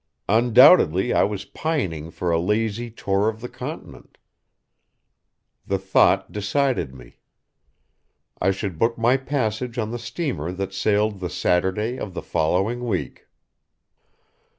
Undoubtedly I was pining for a lazy tour of the Continent. The thought decided me. I should book my passage on the steamer that sailed the Saturday of the following week.